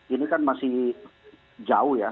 ini kan masih jauh ya